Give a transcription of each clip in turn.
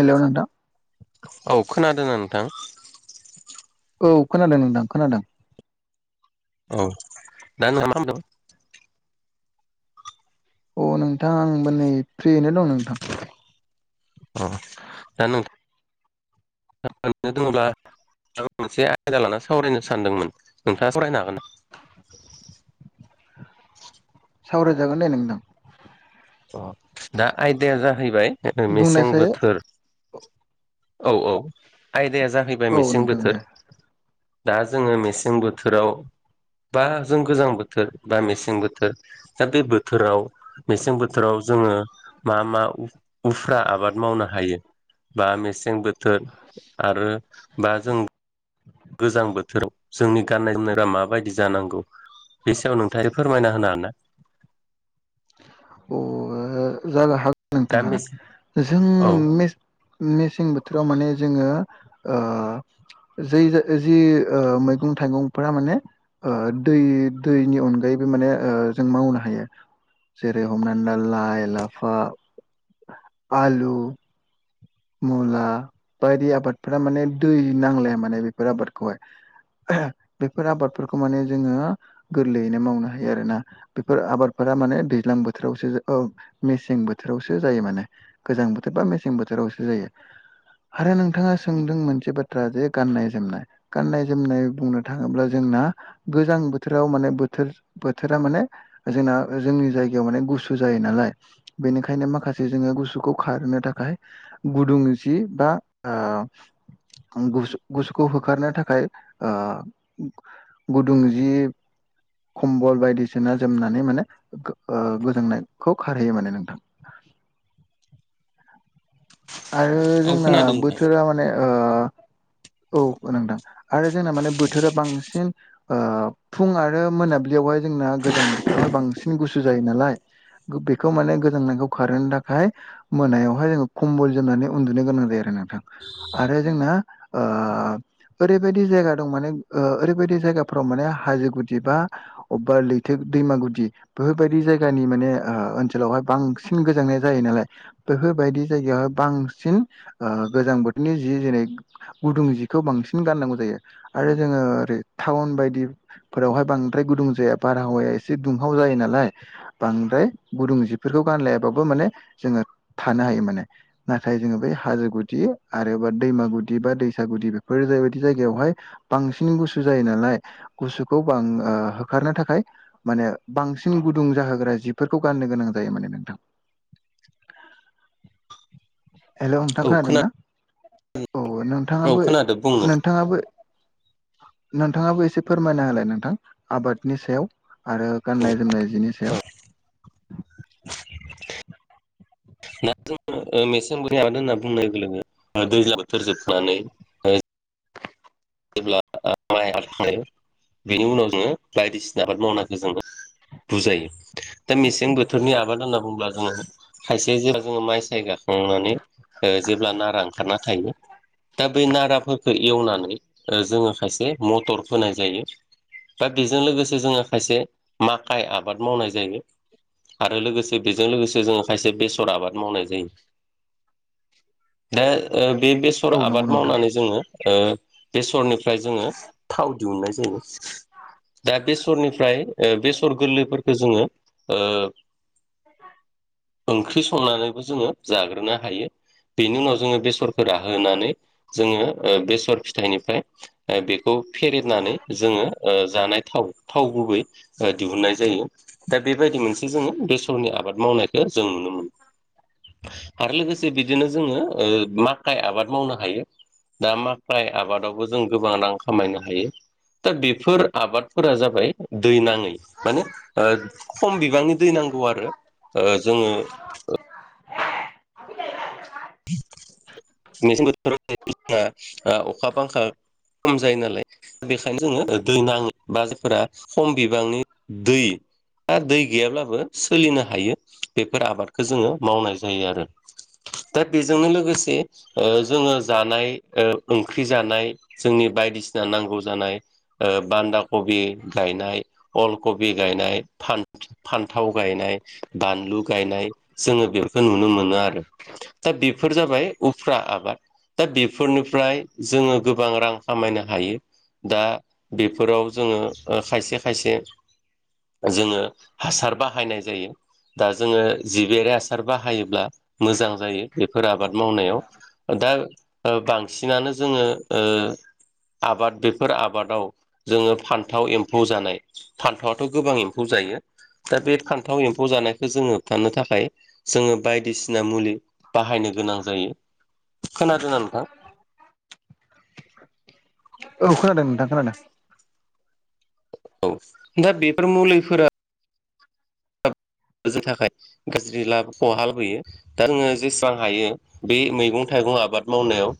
Hello नोंथां औ खोनादों ना नोंथां औ खोनादों नोंथां खोनादों औ दा नों मा खामदों? अ नोंथां आंबोनै फ्रियैनो दं नोंथां औ दा नों [unintelligible] ओरैनो दङ'ब्ला आं मोनसे आयदा लानानै सावरायनो सानदोंमोन नोंथाङा सावरायनो हागोन नामा? [inaudible] सावरायजागोनदे नोंदां अ दा आयदाया जाहैबाय ओ मेसें बुंनायसाय बोथोर औ औ आयदाया जाहैबाय औ मेसें नोंथां दे बोथोर दा जोङो मेसें बोथोराव बा जों गोजां बोथोर बा मेसें बोथोर दा बे बोथोराव मेसें बो थोराव जोङो मा मा उफ्रा आबाद मावनो हायो बा मेस मसें बोथोर आरो बा जों गोजां बोथोराव जोंनि गाननाय-जोमनाया माबायदि जानांगौ? बे सायाव नोंथाङा फोरमायना होनो [unintelligible] अ ओ जानो हा दा नोंथाङा मेसें जों औ मे मेसें बोथोराव माने जोङो ओ जै ज जि ओ मैगं-थाइगंफोरा माने ओ दै दैनि अनगायैबो माने जों मावनो हायो जेरै हमनानै‌ ला लाइ-लाफा, आलु मुला बायदि आबादफोरा माने दै नांलाया माने बेफोर आबादखौहाय [unintelligible] बेफोर आबादफोरखौ माने जोङो गोरलैयैनो मावनो हायो आरोना बेफोर आबादफो थां माने दैज्लां बोथोरावसो ओ मेसें बोथोरावसो जायो माने गोजां बोथोर बा मेसें बोथोरावसो जायो आरो नोंथाङा सोंदों मोनसे बाथ्रा जे गाननाय-जोमनाय, गाननाय-जोमनाय बुंनो थाङोब्ला जों ना गोजां बोथोराव माने बोथोर बोथोरा माने जोंना जोंनि जायगायाव माने गुसु जायो नालाय बेनिखायनो माखासे जोङो गुसुखौ खारहोनो थाखाय गुदुं जि बा ओ गुसु गुसुखौ होखारनो थाखाय ओ गुदुं जि खम्बल बायदिसिना जोमनानै माने ओ गोजांनायखौ खारहैयो माने नोंथां [inaudible] आरो औ जोंना खोनादों नोंथां बोथोरा माने ओ [inaudible] औ [unintelligible] आरो जोंना माने बोथोरा बांसिन ओ फुं आरो मोनाबिलियावहाय जोंना गोजां बोथोरावहाय बांसिन गुसु जायो नालाय बेखौ माने गोजांनायखौ खारहोनो थाखाय मोनायावहाय खमबल जोमनानै उनदुनो गोनां जायो आरो नोंथां आरो जोंना ओ ओरैबायदि जे जायगा दं माने ओ ओरैबायदि जायगाफ्राव माने हाजो गुदि बा अबेबा लैथो बा दैमा गुदि बोबायदि जायगानि माने ओ ओनसोलावहाय बांसिन गोजांनाय जायो नालाय बेफोरबायदि जायगायावहाय बांसिन ओ गोजां बोथोरनि जि जेरै गुदुं जिखौ बांसिन गाननांगौ जायो आरो जोङो ओरै टाउन बायदिफोरावहाय बांद्राय गुदुं जाया बारहावाया एसे दुंहाव जायो नालाय बांद्राय गुदुं जिफोरखौ गानलायाबाबो माने जोङो थानो हायो माने नाथाय जोङो बै हाजो गुदि आरोबा दैमा गुदि बा दैसा गुदि बेफोर बेबायदि जायगायावहाय बांसिन गुसु जायो नालाय गुसुखौ बां ओ होखारनो थाखाय माने बांसिन गुदुं जाहोग्रा जिफोरखौ गाननो गोनां जायो माने नोंथां [inaudible] हेल' नोंथां औ खोना खोनादोंना? औ औ नोंथाङाबो खोनादों बुं नोंथाङाबो नोंथाङाबो एसे फोरमायना होलाय नोंथां आबादनि सायाव आरो गाननाय-जोमनाय जिनि सायाव नोंथां दा जोङो ओ मेसें बोथोरनि आबाद होनना बुंनाय लोगो लोगो दैज्लां बोथोर जोबनानै ओ जेब्ला [unintelligible] आबाद खालामो बेनि उनाव जोङो बायदिसिना आबाद मावनायखौ जोङो बुजायो दा मेसें बोथोरनि आबाद होनना बुंब्ला जोङो खायसे जेब्ला जोङो माइ साय गाखांनानै ओ जेब्ला नारा ओंखारना थायो दा बे नाराफोरखौ एवनानै जोङो खायसे मटर फोनाय जायो। दा बेजों लोगोसे जोङो खायसे माखाइ आबाद मावनाय जायो। आरो लोगोसे बेजों लोगोसे जोङो खायसे बेसर आबाद मावनाय जायो। दा बे बेसर औ नंगौ आबाद नोंथां मावनानै जोङो ओ बेसरनिफ्राय जोङो थाव दिहुनन्नाय जायो। दा बेसरनिफ्राय ओ बेसर गोरलैफोरखौ जोङो ओ एस [inaudible] ओंख्रि संनानैबो जोङो जाग्रोनो हायो बेनि उनाव जोङो बेसरखौ राहो होनानै जोङो बेसर था थाइनिफ्राय बेखौ फेरनानै जोङो जानाय थाव थाव गुबै दिहुननाय जायो दा बेबायदि मोनसे जोङो बेसरनि आबाद मावनायखौ जों नुनो मोनो आरो लोगोसे बिदिनो जोङो ओ माखाइ आबाद मावनो हायो। दा मा फाय आबादावबो जों गोबां रां खामायनो हायो दा बेफोर आबादफोरा जाबाय दै नाङै माने ओ खम बिबांनि दै नांगौ आरो ओ जोङो [inaudible] ‌ [unintelligible] अखा बांखा खम जायो नालाय बेखायनो जोङो दै नाङो बा जायफोरा खम बिबांनि दै आरो दै गैयाब्लाबो सोलिनो हायो बेफोर आबादखौ जोङो मावनाय जायो आरो दा बेजोंनो लोगोसे ओ जोङो जानाय ओ ओंख्रि जानाय जोंनि बायदिसिना नांगौ जानाय बान्दा कबि गायनाय अल कबि गायनाय फान्थाव गायनाय बानलु गायनाय जोङो बेखौ नुनो मोनो आरो दा बेफोर जाबाय उफ्रा आबाद दा बेफोरनिफ्राय जोङो गोबां रां खामायनो हायो। दा बेफोराव जोङो खायसे खायसे जोङो हासार बाहायनाय जायो। दा जोङो जिगेरे हासार बाहायोब्ला मोजां जायो बेफोर आबाद मावनायाव दा बांसिनानो जोङो ओ आबाद बेफोर आबादाव जोङो फान्थाव एम्फौ जानाय फान्थावथ' गोबां एम्फौ जा जायो दा बे खान्थाव एम्फौ जानायखौ जोङो होबथानो थाखाय जोङो बायदिसिना मुलि बाहायनो गोनां जायो खोनादोंना नोंथां औ खोनादों नोंथां खोनादों औ दा बेफोर मुलिफोरा थाखाय गाज्रि लाबखौ हालबोयो दा नोङो जेसेबां हायो बे मैगं थाइ [unintelligible] गं आबाद मावनायाव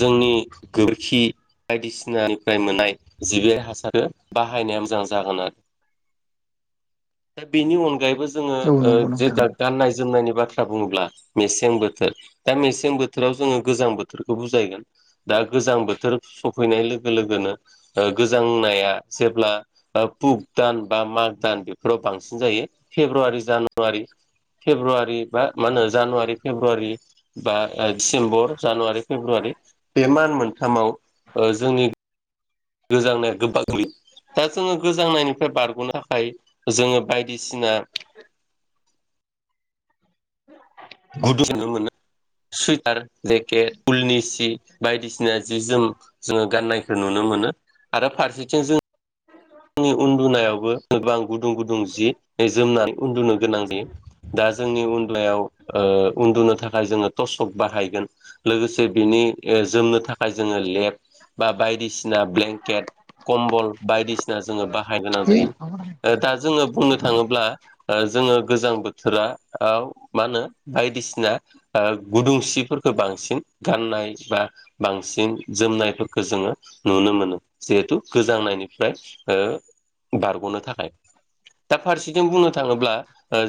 जोंनि गोबखि बायदिसिनानिफ्राय मोननाय जिबियारि हासारखौ बाहायनाय मोजां जागोन आरो दा बिनि अनगायैबो जोङो औ नंगौ नोंथां गाननाय जोमनायनि बा थ्रा बुोब्ला मेसें बोथोर दा मेसें बोथोराव जोङो गोजां बोथोरखौ बुजायगोन दा गोजां बोथोर सफैनाय लोगो लोगोनो ओ गोजां नाया जेब्ला पुक दान बा माग दान बेफोराव बांसिन जायो फेब्रुवारि जानुवारि फेब्रुवारि बा मा होनो जानुवारि फेब्रुवारि बा डिसेम्बर जानुवारि फेब्रुवारि बे मान मोनथामाव ओ जोंनि गोजांनाया गोबाङै दा जोङो गोजांनायनिफ्राय बारग'नो थाखाय जोङो बायदिसिना [inaudible] गुदु सानांगोन [unintelligible] ना [unintelligible] सुइटार जेकेट उलनि सि बायदिसिना जि-जोम जोङो गाननायखौ नुनो मोनो मोनो आरो फारसेथिं जों जोंनि उनदुनायावबो गोबां गुदुं गुदुं जि जोमनानै उनदुनो गोनांदि दा जोंनि उनदलायाव [unintelligible] उनदुनो थाखाय जोङो टसक बाहायगोन लोगोसे बिनि जोमनो थाखाय जोङो लेब बा बायदिसिना ब्लेंकेट कमबल बायदिसिना दा जोङो बाहायगोनां जायो औ दा जोङो बुंनो थाङोब्ला थाङोब्ला जोङो गोजां बोथोरा आव मा होनो बायदिसिना ओ गुदुंसिफोरखौ बांसिन गाननाय बा बांसिन जोमनायफोरखौ जोङो नुनो नुनो मोनो जिहेथु गोजांनायनिफ्राय ओ बारग'नो थाखाय दा फारसेथिं बुंनो थाङोब्ला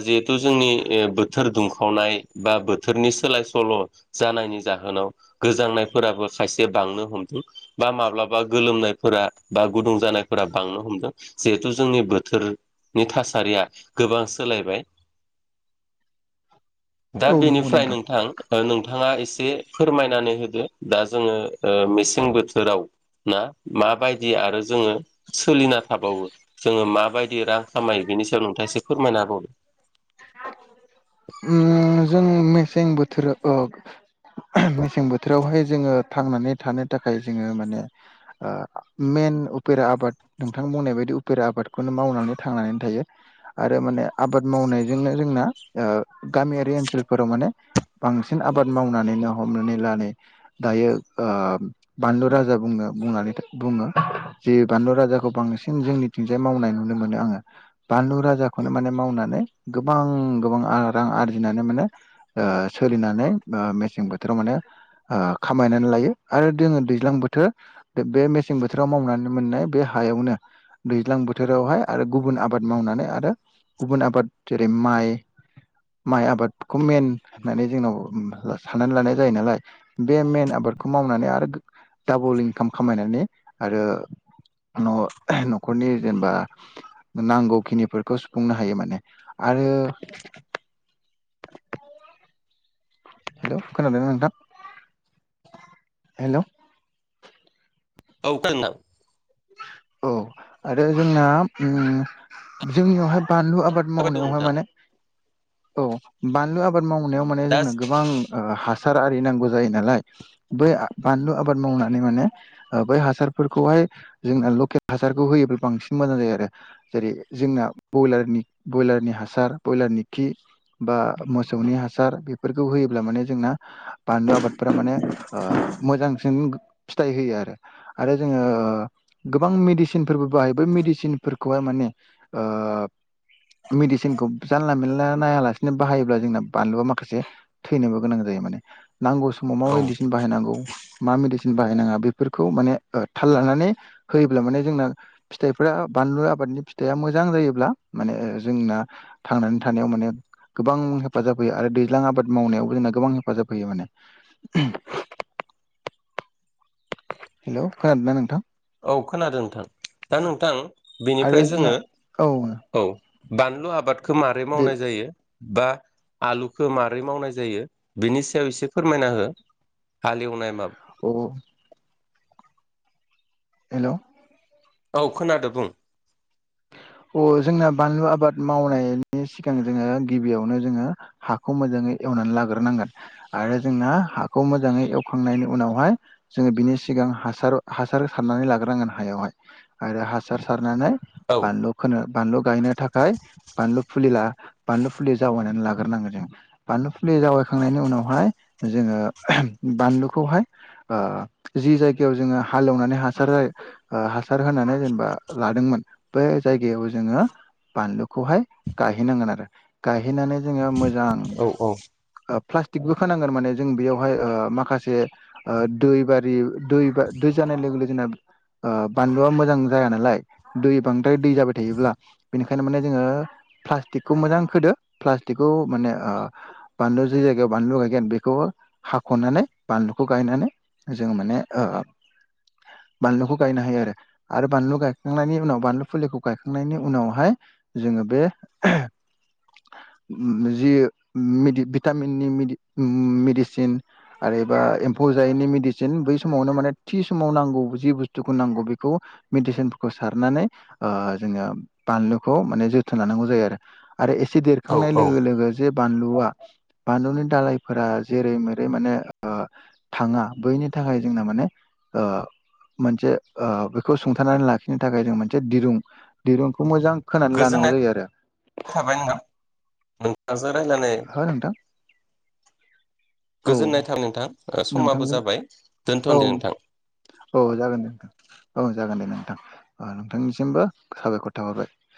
जिहेथु जोंनि बोथोर दुंखावनाय बा बोथोर नि सोलाय-सोल' जानायनि जाहोनाव गोजांनायफोराबो खायसे बांनो हमदों बा माब्लाबा गोलोमनायफोरा बा गुदुं जानायफोरा बांनो हमदों जिहेथु जोंनि बोथोर नि थासारिया गोबां सोलायबाय दा बेनिफ्राय नोंथां ओ नोंथां नोंथाङा एसे फोरमायनानै होदो दा जोङो मेसें बोथोराव ना मा माबायदि आरो जोङो सोलिना थाबावो जोङो माबायदि रां खामायो बेनि सायाव नोंथां एससे फोरमायना होबावदो [inaudible] ओम जों मेसें बोथोर अ मेसें बोथोरावहाय जोङो थांनानै थानो थाखाय जोङो माने ओ मेन उपेरा आबाद नोंथां बुंनाय बायदि उपेरा आबादखौनो मावनानै थांनानै थायो आरो माने आबाद मावनायजोंनो जोंना ओ गामियारि ओनसोलफोराव माने बांसिन आबाद मावनानैनो हमनानै ला नै दायो बानलु राजा बु बुं बुङो जे बानलु राजाखौ बांसिन जोंनिथिंजाय मावनाय नुनो मोनो आङो बानलु राजाखौनो माने मावनानै गोबां गोबां रां आरजिनो फनानै [unintelligible] माने ओ सोलिनानै ओ मेसें बोथोराव माने आ खामायनानै लायो आरो जोङो दैज्लां बोथोर बे मेसें बोथोराव मावनानै मोननाय बे हायावनो दैज्लां बोथोरावहाय आरो गुबुन आबाद मावनानै आरो गुबुन आबाद जेरै माइ माइ आबादखौ मेन होननानै जोंनाव साननानै लानाय जायो नालाय बे मेन आबादखौ माव मावनानै आरो डाबल इनकाम खामनानै आरो न'खर न'खरनि जेनेबा नांगौ खिनिफोरखौ सुफुंनो हायो माने आरो हेलौ खोनादोंना नोंथां हेलौ औ खोनादों नोंथां औ आरो जोंना ओम जोंनियावहाय बानलु आबाद खोनाबाय दं मावनायावहाय नोंथां माने औ बानलु आबाद मावनायाव माने दा जोंनो गोबां आं हासार आरि नांगौ जायो नालाय बै बानलु आबाद मावनानै माने बै हासार फोरखौहाय जोंना लकेल हासारखौ होयोब्ला बांसिन मोजां जायो आरो जेरै जोंना बयलारनि बयलारनि हासार ब्रयलारनि खि बा मोसौनि हासार चम णं बानलु आबादफोरा माने ओ मोजां सिन फिथाइ होयो आरो आरो जोङो गोबां औ मेदिसिनफोरबो बाय बै मेदिसिनखौहाय माने ओ मेडिसिनखौ जानला मेनला नायालासिनो बाहायोब्ला जोंना बानलुया माखासे थैनोबो गोनां जायो माने [inaudible] नांगौ समाव मा औ मेडिसिन बाहायनांगौ मा मेडिसि बाहायनाङा बेफोरखौ माने ओ थाल लानानै होयोब्ला माने जोंना फिथाइफोरा बानलु आबादनि फिथाइआ मोजां जायोब्ला माने जोंना थांनानै थानायाव माने गोबां हेफाजाब होयो आरो दैज्लां आबाद मावनायावबो जोंना गोबां हेफाजाब होयो माने [unintelligible] [inaudible] हेलौ खोनादोंना नोंथां औ खोनादों नोंथां दा नोंथां बेनिफ्राय आरो जोंना जोङो औ औ बानलु आबादखौ मारै दे मावनाय जायो बा आलुखौ मारै मावनाय जायो बिनि सायाव एसे फोरमायना हो हालेवनाय मा औ हेलौ औ खोनादों बुं अ जोंना बानलु आबाद मावनायनि सिगां जोङो गिबियावनो जोङो हाखौ मोजाङै एवनानै लाग्रोनांगोन आरो जोंना हाखौ मोजाङै एवखांनायनि उनावहाय जोङो बिनि सिगा हासार हासार सारनानै लाग्रांगोन हायावहाय आरो हासार सारनानै औ बानलु खोनो बानलु गायनो थाखाय बानलु फुलि ला बानलु फुलि जावैनानै लाग्रोनांगो जों बानलु फुलि जावायखांनायनि उनावहाय जों ओ बानलुखौहाय ओ जि जायगायाव जोङो हालेवनानै हासार जायो ओ हासार होनानै जेनेबा लादोंमोन बे जायगायाव जोङो बानलुखौहाय गायहैनांगोन आरो गायहैनानै जोङो मो जां औ औ ओ प्लासटिकबो होनांगोन माने जों बेयावहाय ओ माखासे ओ दै बारि दै बा जा नाय लोगो लोगो ओ बानलुवा मोजां जाया नालाय दै बांद्राय दै जाबाय थायोब्ला बेनिखायनो माने जोङो प्लासटिकखौ मोजां खोदो प्लासटिकखौ माने ने ओ बानलु जि जायगायाव बानलु गायगोन बेखौबो हाख'नानै बानलुखौ गायनानै जोङो माने ओ बानलुखौ गायनो हायो आरो आरो बानलु गायखांनायनि उनाव बानलु फुलिखौ गायखांनायनि उनावहाय जोङो बे [inaudible] जि मि भिटामिननि मिडि मेडिसिन आरो एबा एमफौ जायैनि मेदिसिन बै समावनो माने थि समाव नांगौ जि बुस्थुखौ नांगौ बेखौ मेदिसिनफोरखौ सारनानै ओ जोङो बानलुखौ माने जोथोन लानांगौ जायो आरो आरो एसे औ देरखांनाय औ लोगो लोगो जे बानलुआ बानलुनि दालायफोरा जेरै मेरै माने ओ थाङा बैनि थाखाय जोंना माने ओ मोनसे ओ बेखौ सुंथानानै लाखिनो थाखाय जों मोन से दिरुं दिरुंखौ मोजां खानानै लानांगौ गोजोननाय जायो आरो थाबाय नोंथां नोंथांजों रायलायनानै हो नोंथां औ गोजोननाय थाबाय नोंथां समाबो नोंथांजों जाबाय औ दोनथ'दो नोंथां औ जागोन दे औ जागोन दे नों थां ओ नोंथांनिसिमबो साबायख'र थाहरबाय